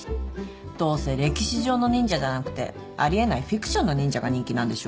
どうせ歴史上の忍者じゃなくてあり得ないフィクションの忍者が人気なんでしょ？